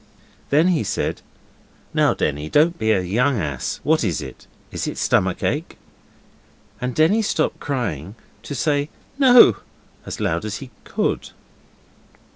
Then he said, 'Now, Denny, don't be a young ass. What is it? Is it stomach ache?' And Denny stopped crying to say 'No!' as loud as he could.